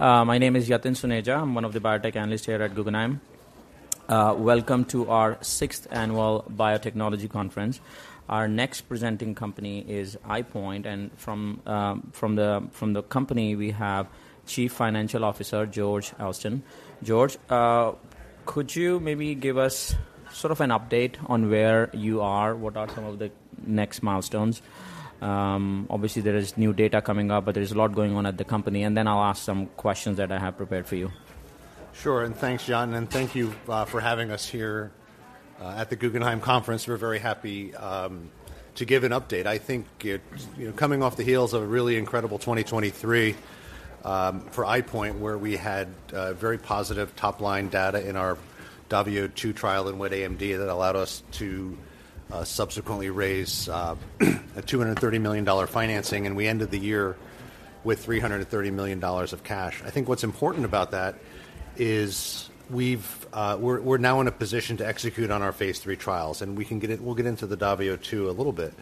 My name is Yatin Suneja. I'm one of the Biotech Analyst here at Guggenheim. Welcome to our sixth annual Biotechnology Conference. Our next presenting company is EyePoint, and from, from the company, we have Chief Financial Officer, George Elston. George, could you maybe give us sort of an update on where you are? What are some of the next milestones? Obviously, there is new data coming up, but there is a lot going on at the company, and then I'll ask some questions that I have prepared for you. Sure, and thanks, Yatin, and thank you for having us here at the Guggenheim Conference. We're very happy to give an update. I think it, you know, coming off the heels of a really incredible 2023 for EyePoint, where we had very positive top-line data in our DAVIO 2 trial in wet AMD, that allowed us to subsequently raise a $230 million financing, and we ended the year with $330 million of cash. I think what's important about that is we've we're now in a position to execute on our phase III trials, and we can get we'll get into the DAVIO 2 a little bit.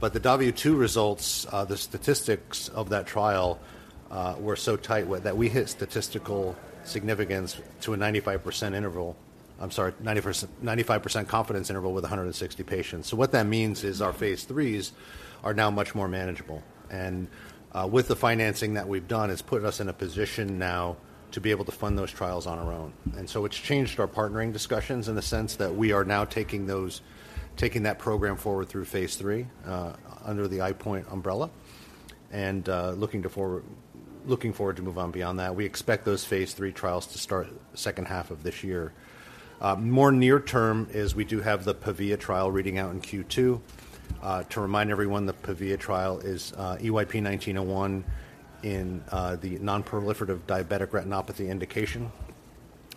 But the DAVIO 2 results, the statistics of that trial, were so tight with that we hit statistical significance to a 95% interval. I'm sorry, 95% confidence interval with 160 patients. So what that means is our phase IIIs are now much more manageable, and with the financing that we've done, it's put us in a position now to be able to fund those trials on our own. And so it's changed our partnering discussions in the sense that we are now taking that program forward through phase III, under the EyePoint umbrella, and looking forward to move on beyond that. We expect those phase III trials to start second half of this year. More near term is we do have the PAVIA trial reading out in Q2. To remind everyone, the PAVIA trial is EYP-1901 in the non-proliferative diabetic retinopathy indication.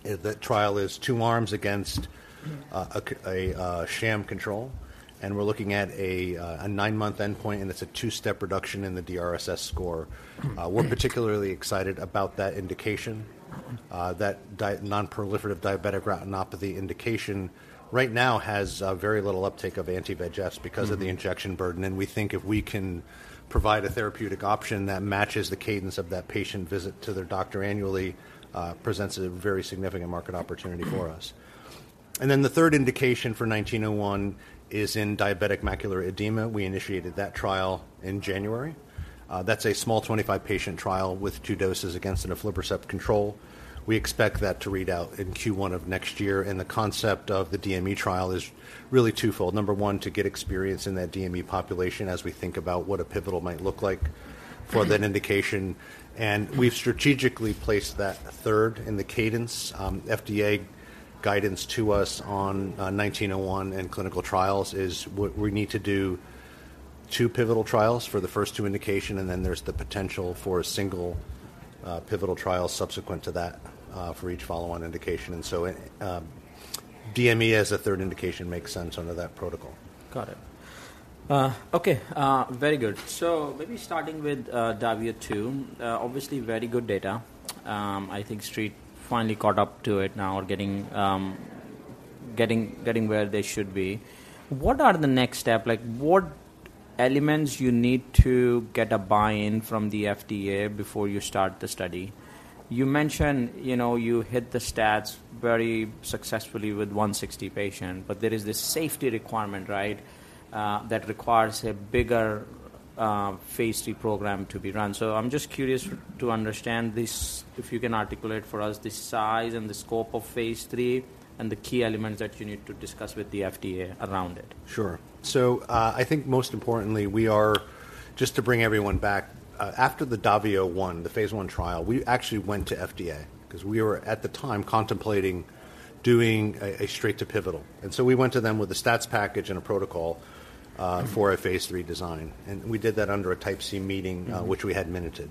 That trial is two arms against a sham control, and we're looking at a nine-month endpoint, and it's a two-step reduction in the DRSS score. We're particularly excited about that indication. That non-proliferative diabetic retinopathy indication right now has very little uptake of anti-VEGF because of the injection burden, and we think if we can provide a therapeutic option that matches the cadence of that patient visit to their doctor annually presents a very significant market opportunity for us. And then the third indication for EYP-1901 is in diabetic macular edema. We initiated that trial in January. That's a small 25-patient trial with two doses against an aflibercept control. We expect that to read out in Q1 of next year, and the concept of the DME trial is really twofold: number one, to get experience in that DME population as we think about what a pivotal might look like for that indication. We've strategically placed that third in the cadence. FDA guidance to us on EYP-1901 and clinical trials is what we need to do, two pivotal trials for the first two indication, and then there's the potential for a single, pivotal trial subsequent to that, for each follow-on indication. So, DME as a third indication makes sense under that protocol. Got it. Okay, very good. So maybe starting with DAVIO 2, obviously, very good data. I think Street finally caught up to it now or getting where they should be. What are the next step? Like, what elements you need to get a buy-in from the FDA before you start the study? You mentioned, you know, you hit the stats very successfully with 160 patient, but there is this safety requirement, right? That requires a bigger phase III program to be run. So I'm just curious to understand this, if you can articulate for us the size and the scope of phase III and the key elements that you need to discuss with the FDA around it. Sure. So, I think most importantly, we are... Just to bring everyone back, after the DAVIO 1, the phase I trial, we actually went to FDA because we were, at the time, contemplating doing a straight to pivotal. And so we went to them with a stats package and a protocol for a phase III design, and we did that under a Type C meeting- Mm-hmm. Which we had minuted.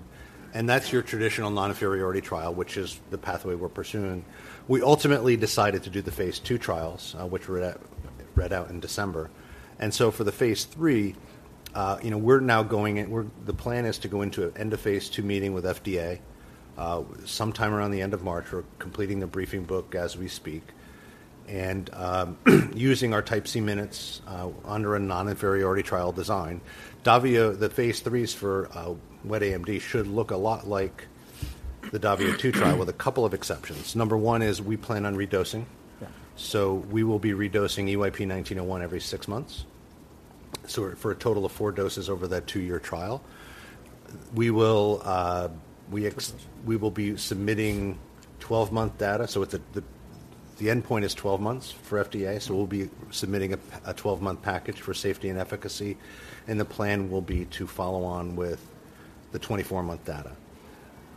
That's your traditional non-inferiority trial, which is the pathway we're pursuing. We ultimately decided to do the phase II trials, which read out in December. So for the phase III, you know, the plan is to go into an end of phase II meeting with FDA sometime around the end of March. We're completing the briefing book as we speak, and using our Type C minutes under a non-inferiority trial design. DAVIO, the phase III for wet AMD, should look a lot like the DAVIO 2 trial, with a couple of exceptions. Number one is, we plan on redosing. Yeah. We will be redosing EYP-1901 every six months, so for a total of four doses over that two-year trial. We will be submitting 12-month data, so with the endpoint is 12 months for FDA, so we'll be submitting a 12-month package for safety and efficacy, and the plan will be to follow on with the 24-month data.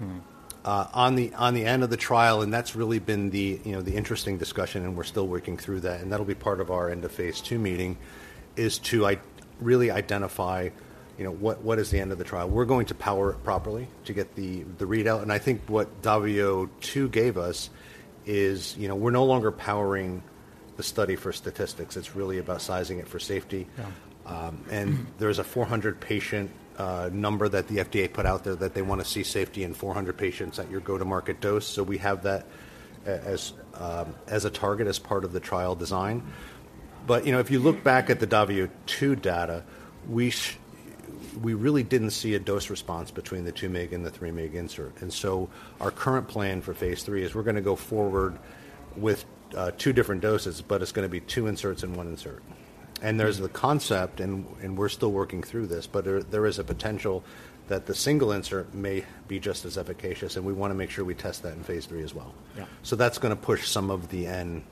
Mm-hmm. On the end of the trial, and that's really been the, you know, the interesting discussion, and we're still working through that, and that'll be part of our end of phase II meeting, is to really identify, you know, what is the end of the trial. We're going to power it properly to get the readout, and I think what DAVIO 2 gave us is, you know, we're no longer powering the study for statistics. It's really about sizing it for safety. Yeah. And there is a 400-patient number that the FDA put out there, that they wanna see safety in 400 patients at your go-to-market dose. So we have that as a target, as part of the trial design. But, you know, if you look back at the DAVIO 2 data, we really didn't see a dose response between the 2 mg and the 3 mg insert. And so our current plan for phase III is we're gonna go forward with two different doses, but it's gonna be two inserts and one insert. And there's the concept, and we're still working through this, but there is a potential that the single insert may be just as efficacious, and we wanna make sure we test that in phase III as well. Yeah. So that's gonna push some of the N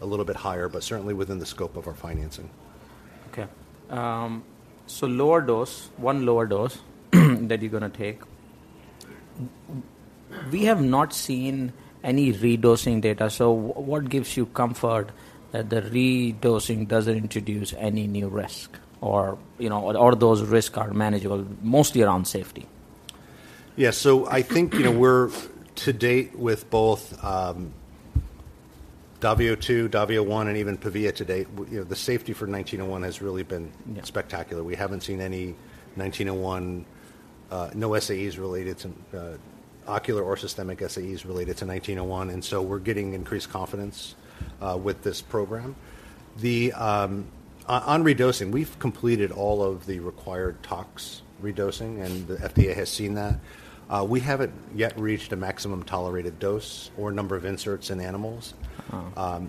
a little bit higher, but certainly within the scope of our financing. Okay. So lower dose, one lower dose, that you're gonna take. We have not seen any redosing data, so what gives you comfort that the redosing doesn't introduce any new risk or, you know, or those risks are manageable, mostly around safety? Yeah. So I think, you know, we're to date with both, DAVIO 2, DAVIO 1, and even PAVIA today, you know, the safety for 1901 has really been- Yeah... spectacular. We haven't seen any 1901, no SAEs related to, ocular or systemic SAEs related to 1901, and so we're getting increased confidence, with this program. On redosing, we've completed all of the required tox redosing, and the FDA has seen that. We haven't yet reached a maximum tolerated dose or number of inserts in animals. Uh.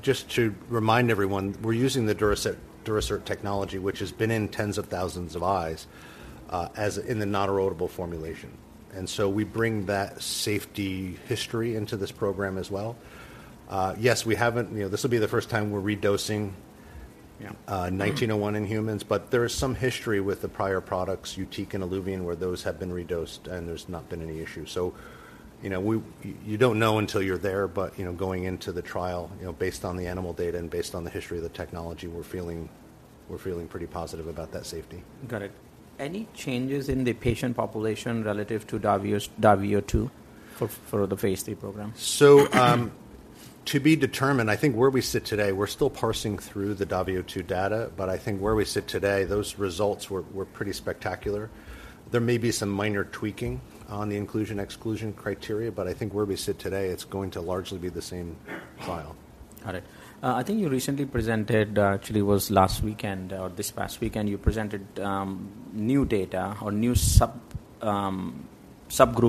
Just to remind everyone, we're using the Durasert, Durasert technology, which has been in tens of thousands of eyes, as in the non-erodible formulation. So we bring that safety history into this program as well. Yes, we haven't, you know, this will be the first time we're redosing- Yeah... EYP-1901 in humans, but there is some history with the prior products, YUTIQ and ILUVIEN, where those have been redosed, and there's not been any issue. So, you know, you don't know until you're there, but, you know, going into the trial, you know, based on the animal data and based on the history of the technology, we're feeling pretty positive about that safety. Got it. Any changes in the patient population relative to DAVIO, DAVIO 2 for the phase III program? So, to be determined, I think where we sit today, we're still parsing through the DAVIO 2 data, but I think where we sit today, those results were pretty spectacular. There may be some minor tweaking on the inclusion/exclusion criteria, but I think where we sit today, it's going to largely be the same trial. Got it. I think you recently presented, actually it was last weekend or this past weekend, you presented new data or new subgroup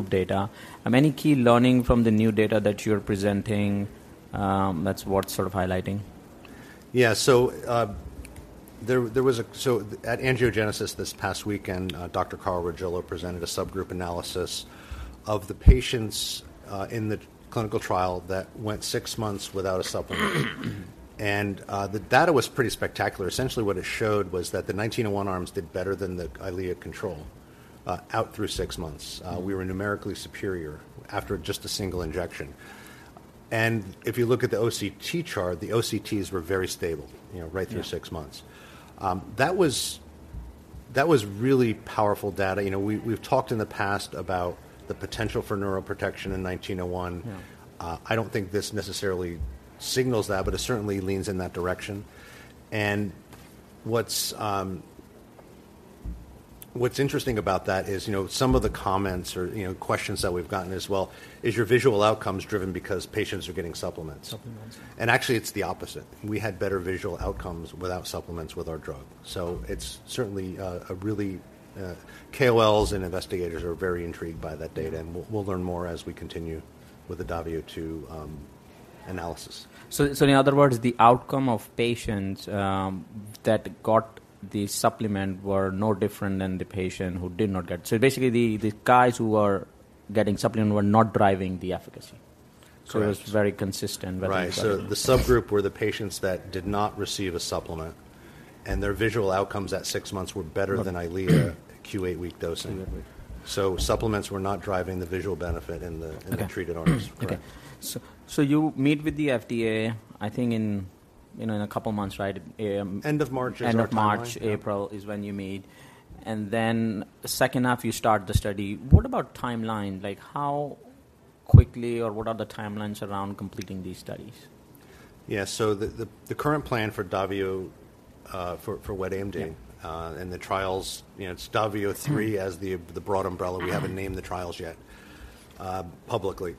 data. Any key learning from the new data that you're presenting that's worth sort of highlighting? Yeah. So, at Angiogenesis this past weekend, Dr. Carl Regillo presented a subgroup analysis of the patients in the clinical trial that went 6 months without a supplement. And, the data was pretty spectacular. Essentially, what it showed was that the 1901 arms did better than the Eylea control out through 6 months. We were numerically superior after just a single injection. And if you look at the OCT chart, the OCTs were very stable, you know- Yeah... right through six months. That was, that was really powerful data. You know, we, we've talked in the past about the potential for neuroprotection in 1901. Yeah. I don't think this necessarily signals that, but it certainly leans in that direction. And what's interesting about that is, you know, some of the comments or, you know, questions that we've gotten as well, "Is your visual outcomes driven because patients are getting supplements? Supplements. Actually, it's the opposite. We had better visual outcomes without supplements with our drug. So it's certainly KOLs and investigators are very intrigued by that data- Mm-hmm. We'll learn more as we continue with the DAVIO 2 analysis. So, in other words, the outcome of patients that got the supplement were no different than the patient who did not get it. So basically, the guys who were getting supplement were not driving the efficacy. Correct. It was very consistent with- Right. - uh, So the subgroup were the patients that did not receive a supplement, and their visual outcomes at six months were better- Okay... than Eylea, Q eight-week dosing. Mm-hmm. Supplements were not driving the visual benefit in the- Okay... in the treated arms. Okay. Correct. So, you meet with the FDA, I think in, you know, in a couple of months, right? End of March is our timeline. End of March- Yeah... April is when you meet. Then the second half, you start the study. What about timeline? Like, how quickly or what are the timelines around completing these studies? Yeah, so the current plan for DAVIO for wet AMD- Yeah... and the trials, you know, it's DAVIO 3 as the broad umbrella. We haven't named the trials yet, publicly.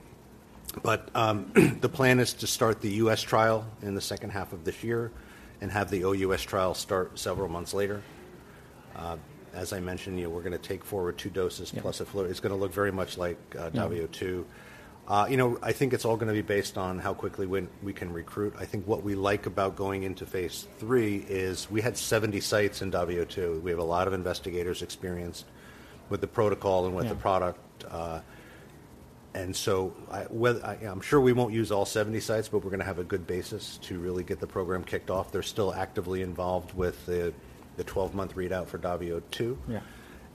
But, the plan is to start the US trial in the second half of this year and have the OUS trial start several months later. As I mentioned, you know, we're gonna take forward 2 doses- Yeah... plus aflibercept. It's gonna look very much like, Yeah... DAVIO 2. You know, I think it's all gonna be based on how quickly when we can recruit. I think what we like about going into phase 3 is we had 70 sites in DAVIO 2. We have a lot of investigators experienced with the protocol and- Yeah... with the product, and so I'm sure we won't use all 70 sites, but we're gonna have a good basis to really get the program kicked off. They're still actively involved with the 12-month readout for DAVIO 2. Yeah.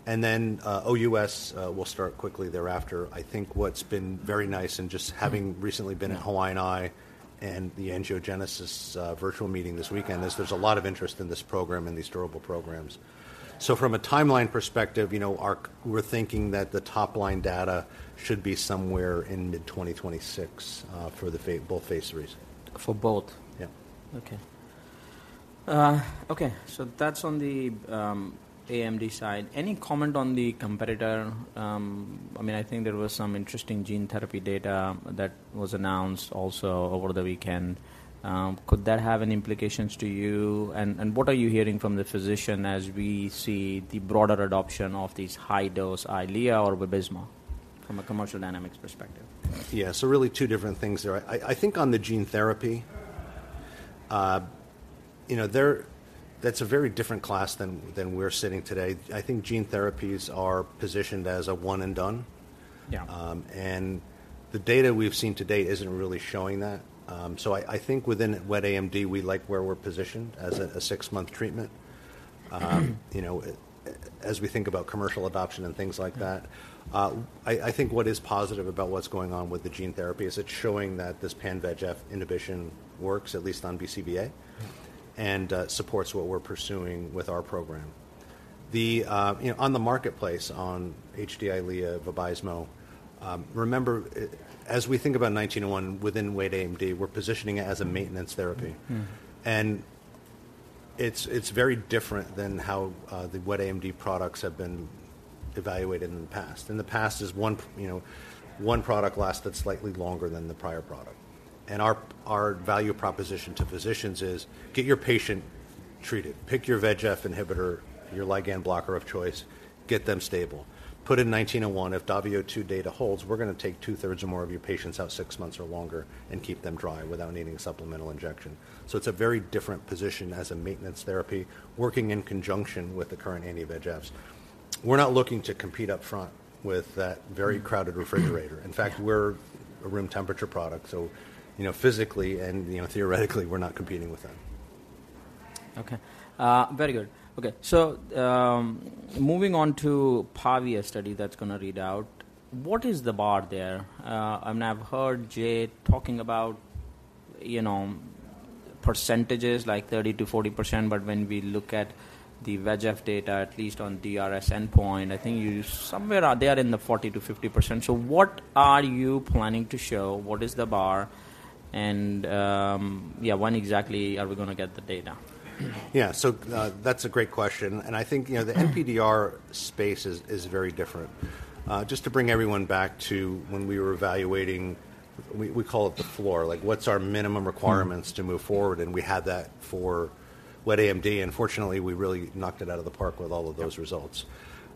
And then, OUS, will start quickly thereafter. I think what's been very nice and just having recently been- Yeah... in Hawaii Eye and the Angiogenesis virtual meeting this weekend, is there's a lot of interest in this program and these durable programs. So from a timeline perspective, you know, our-- we're thinking that the top-line data should be somewhere in mid-2026 for both phase IIIs. For both? Yeah. Okay, so that's on the AMD side. Any comment on the competitor? I mean, I think there was some interesting gene therapy data that was announced also over the weekend. Could that have any implications to you, and what are you hearing from the physician as we see the broader adoption of these high-dose Eylea or Vabysmo from a commercial dynamics perspective? Yeah, so really two different things there. I think on the gene therapy, you know, there, that's a very different class than we're sitting today. I think gene therapies are positioned as a one and done. Yeah. The data we've seen to date isn't really showing that. I think within wet AMD, we like where we're positioned as a six-month treatment. You know, as we think about commercial adoption and things like that. Mm. I think what is positive about what's going on with the gene therapy is it's showing that this pan VEGF inhibition works, at least on BCVA. Mm supports what we're pursuing with our program. You know, on the marketplace, on HD Eylea, Vabysmo, remember, as we think about 1901 within wet AMD, we're positioning it as a maintenance therapy. Mm. It's very different than how the wet AMD products have been evaluated in the past. In the past, you know, one product lasted slightly longer than the prior product. Our value proposition to physicians is: get your patient treated, pick your VEGF inhibitor, your ligand blocker of choice, get them stable. Put in 1901. If DAVIO 2 data holds, we're gonna take two-thirds or more of your patients out six months or longer and keep them dry without needing supplemental injection. So it's a very different position as a maintenance therapy, working in conjunction with the current anti-VEGFs. We're not looking to compete upfront with that very crowded refrigerator. In fact, we're a room temperature product, so, you know, physically and, you know, theoretically, we're not competing with them. Okay. Very good. Okay, so, moving on to PAVIA study that's gonna read out, what is the bar there? I mean, I've heard Jay talking about, you know, percentages like 30%-40%, but when we look at the VEGF data, at least on DRS endpoint, I think you're somewhere out there in the 40%-50%. So what are you planning to show? What is the bar? And, yeah, when exactly are we gonna get the data? Yeah. So, that's a great question, and I think, you know- Mm... the NPDR space is very different. Just to bring everyone back to when we were evaluating... We call it the floor. Like, what's our minimum requirements? Mm to move forward? We had that for wet AMD, and fortunately, we really knocked it out of the park with all of those results.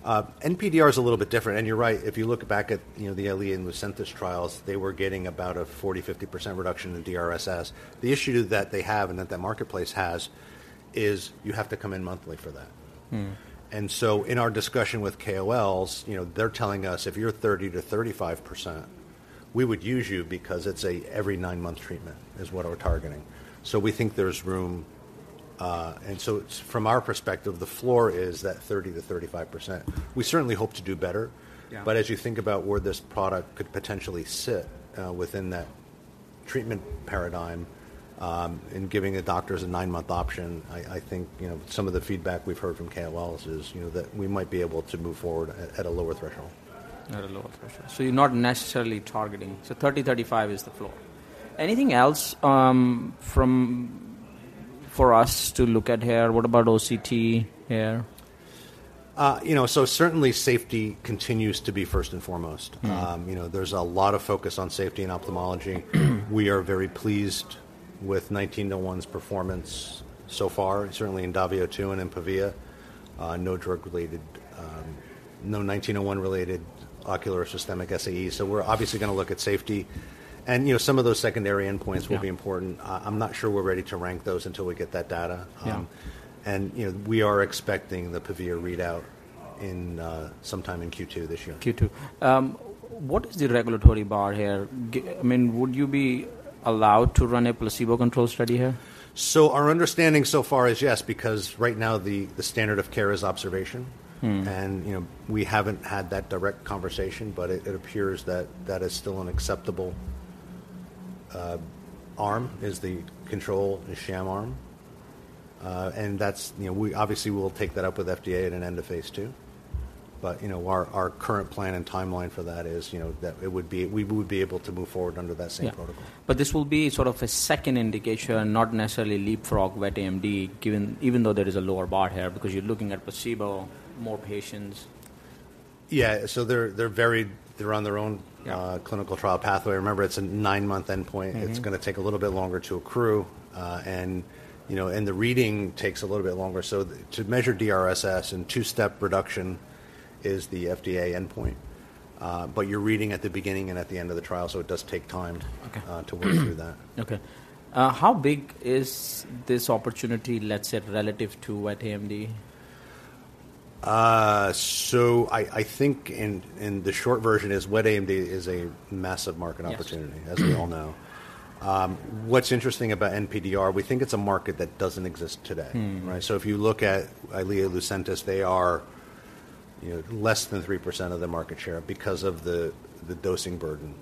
Yeah. NPDR is a little bit different. And you're right, if you look back at, you know, the Eylea and Lucentis trials, they were getting about a 40%-50% reduction in DRSS. The issue that they have and that that marketplace has is you have to come in monthly for that. Mm. In our discussion with KOLs, you know, they're telling us: If you're 30%-35%, we would use you because it's a every nine-month treatment, is what we're targeting. So we think there's room. And so it's, from our perspective, the floor is that 30%-35%. We certainly hope to do better. Yeah. As you think about where this product could potentially sit within that treatment paradigm, in giving the doctors a nine-month option, I think, you know, some of the feedback we've heard from KOLs is, you know, that we might be able to move forward at a lower threshold. At a lower threshold. So you're not necessarily targeting... So 30, 35 is the floor. Anything else, from, for us to look at here? What about OCT here? You know, so certainly, safety continues to be first and foremost. Mm. You know, there's a lot of focus on safety in ophthalmology. We are very pleased with 1901's performance so far, certainly in DAVIO 2 and in PAVIA. No drug-related, no 1901-related ocular or systemic SAEs. So we're obviously gonna look at safety, and, you know, some of those secondary endpoints- Yeah will be important. I'm not sure we're ready to rank those until we get that data. Yeah. you know, we are expecting the PAVIA readout in sometime in Q2 this year. Q2. What is the regulatory bar here? I mean, would you be allowed to run a placebo-controlled study here? Our understanding so far is yes, because right now the standard of care is observation. Mm. You know, we haven't had that direct conversation, but it appears that that is still an acceptable arm, is the control, the sham arm. You know, we obviously will take that up with FDA at an end-of-phase II. But you know, our current plan and timeline for that is, you know, that it would be - we would be able to move forward under that same protocol. Yeah. But this will be sort of a second indication, not necessarily leapfrog wet AMD, given, even though there is a lower bar here because you're looking at placebo, more patients. Yeah. So they're very-- They're on their own- Yeah clinical trial pathway. Remember, it's a nine-month endpoint. Mm-hmm. It's gonna take a little bit longer to accrue, and, you know, the reading takes a little bit longer. So to measure DRSS and two-step reduction is the FDA endpoint. But you're reading at the beginning and at the end of the trial, so it does take time. Okay... to work through that. Okay. How big is this opportunity, let's say, relative to wet AMD? So, I think in the short version is, wet AMD is a massive market opportunity- Yes... as we all know. What's interesting about NPDR, we think it's a market that doesn't exist today. Mm. Right? So if you look at Eylea and Lucentis, they are, you know, less than 3% of the market share because of the dosing burden.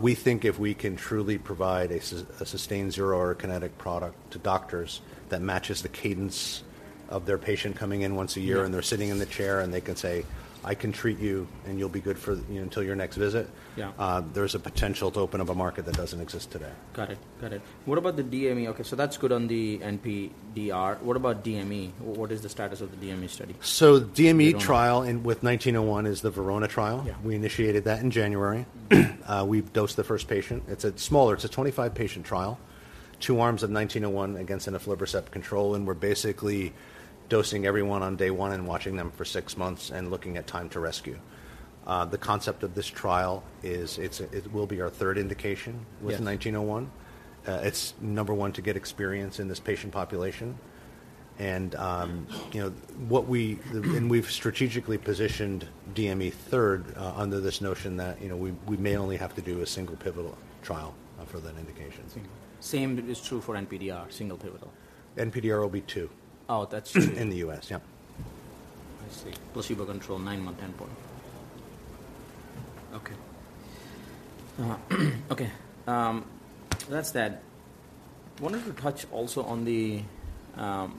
We think if we can truly provide a sustained zero-order kinetic product to doctors that matches the cadence of their patient coming in once a year- Yeah... and they're sitting in the chair, and they can say, "I can treat you, and you'll be good for, you know, until your next visit"- Yeah... there's a potential to open up a market that doesn't exist today. Got it. Got it. What about the DME? Okay, so that's good on the NPDR. What about DME? What is the status of the DME study? So DME trial- The going... in, with 1901 is the VERONA trial. Yeah. We initiated that in January. We've dosed the first patient. It's a smaller 25-patient trial, two arms of 1901 against aflibercept control, and we're basically dosing everyone on day one and watching them for 6 months and looking at time to rescue. The concept of this trial is it will be our third indication- Yes... with 1901. It's number one, to get experience in this patient population. And, you know, and we've strategically positioned DME third, under this notion that, you know, we may only have to do a single pivotal trial, for that indication. Same is true for NPDR, single pivotal? NPDR will be 2. Oh, that's true. In the U.S. Yeah. I see. Placebo-controlled, nine-month endpoint. Okay. Okay, that's that. I wanted to touch also on the, on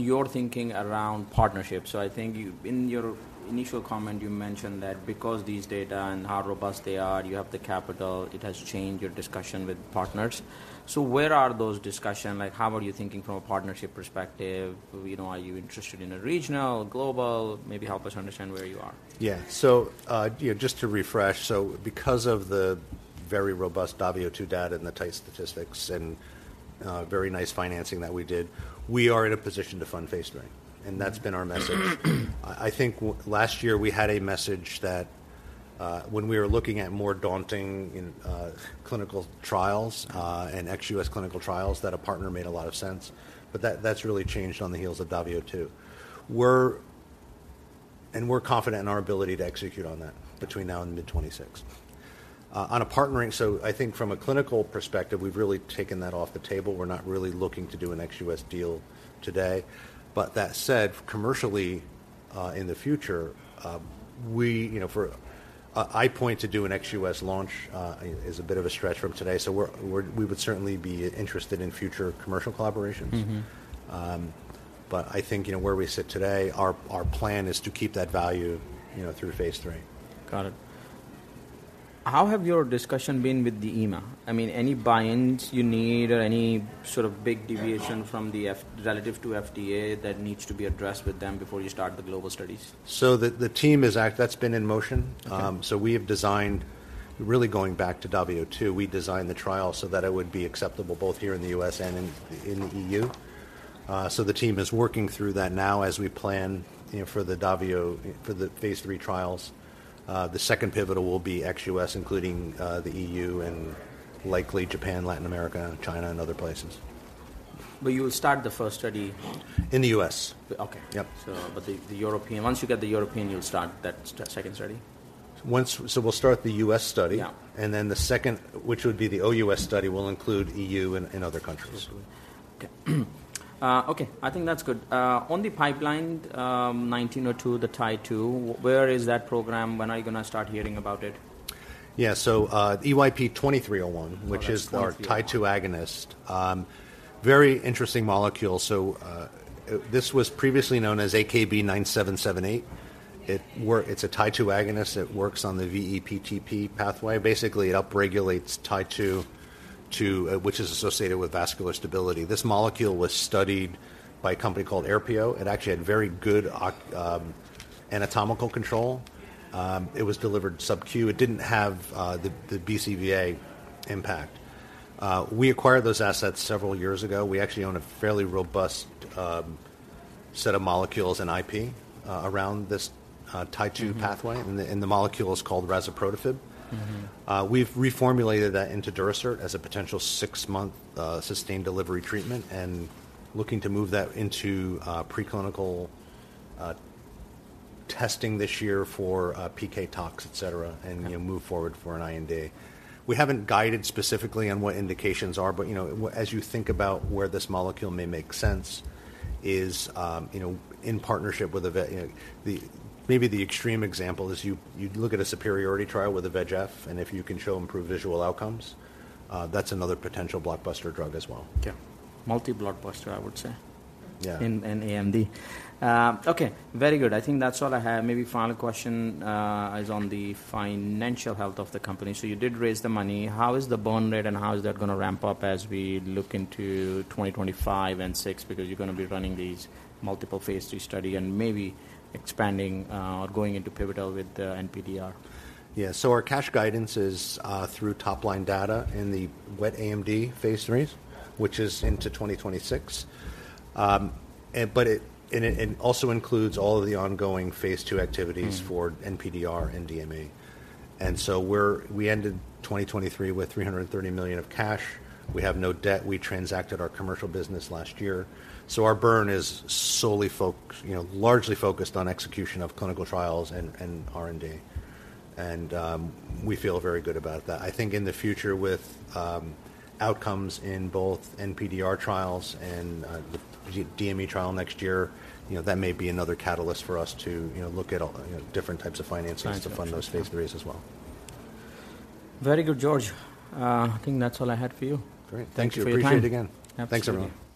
your thinking around partnerships. So I think you, in your initial comment, you mentioned that because these data and how robust they are, you have the capital, it has changed your discussion with partners. So where are those discussions? Like, how are you thinking from a partnership perspective? You know, are you interested in a regional or global? Maybe help us understand where you are. Yeah. So, you know, just to refresh, so because of the very robust DAVIO 2 data and the tight statistics and very nice financing that we did, we are in a position to fund Phase III, and that's been our message. I think last year we had a message that when we were looking at more daunting, you know, clinical trials and ex-US clinical trials, that a partner made a lot of sense, but that's really changed on the heels of DAVIO 2. And we're confident in our ability to execute on that between now and mid-2026. On partnering, so I think from a clinical perspective, we've really taken that off the table. We're not really looking to do an ex-US deal today. But that said, commercially, in the future, we, you know, for EyePoint to do an ex-US launch is a bit of a stretch from today, so we would certainly be interested in future commercial collaborations. Mm-hmm. I think, you know, where we sit today, our plan is to keep that value, you know, through phase III. Got it. How have your discussion been with the EMA? I mean, any buy-ins you need or any sort of big deviation from the FDA relative to FDA that needs to be addressed with them before you start the global studies? That's been in motion. Okay. So we have designed, really going back to DAVIO2, we designed the trial so that it would be acceptable both here in the U.S. and in the E.U. So the team is working through that now as we plan, you know, for the DAVIO, for the phase III trials. The second pivotal will be ex-U.S., including the E.U. and likely Japan, Latin America, China, and other places. But you will start the first study- In the U.S. Okay. Yep. So, but the European... Once you get the European, you'll start that second study? So we'll start the U.S. study. Yeah. And then the second, which would be the OUS study, will include EU and other countries. Okay. Okay, I think that's good. On the pipeline, 1902, the TIE-2, where is that program? When are you going to start hearing about it? Yeah. So, EYP-2301- Oh, that's... -which is our TIE-2 agonist. Very interesting molecule. So, this was previously known as AKB-9778. It's a TIE-2 agonist. It works on the VE-PTP pathway. Basically, it upregulates TIE-2 to which is associated with vascular stability. This molecule was studied by a company called Aerpio. It actually had very good anatomical control. It was delivered subQ. It didn't have the BCVA impact. We acquired those assets several years ago. We actually own a fairly robust set of molecules and IP around this TIE-2 pathway. Mm-hmm. The molecule is called razuprotafib. Mm-hmm. We've reformulated that into Durasert as a potential six-month sustained delivery treatment and looking to move that into preclinical testing this year for PK, tox, et cetera, and, you know, move forward for an IND. We haven't guided specifically on what indications are, but, you know, as you think about where this molecule may make sense is, you know, in partnership with a VEGF, the, maybe the extreme example is you, you look at a superiority trial with a VEGF, and if you can show improved visual outcomes, that's another potential blockbuster drug as well. Yeah. Multi-blockbuster, I would say- Yeah... in AMD. Okay, very good. I think that's all I have. Maybe final question is on the financial health of the company. So you did raise the money. How is the burn rate, and how is that going to ramp up as we look into 2025 and 2026? Because you're going to be running these multiple phase III study and maybe expanding or going into pivotal with NPDR. Yeah. So our cash guidance is through top-line data in the wet AMD phase III, which is into 2026. But it also includes all of the ongoing phase II activities- Mm-hmm. for NPDR and DME. So we ended 2023 with $330 million of cash. We have no debt. We transacted our commercial business last year. So our burn is solely you know, largely focused on execution of clinical trials and, and R&D. And we feel very good about that. I think in the future, with outcomes in both NPDR trials and the DME trial next year, you know, that may be another catalyst for us to, you know, look at, you know, different types of financings. Financings. to fund those phase III as well. Very good, George. I think that's all I had for you. Great. Thank you for your time. Appreciate it again. Absolutely. Thanks, everyone.